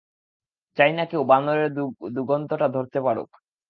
চাইনা কেউ বানরের দুগন্ধটা ধরতে পারুক।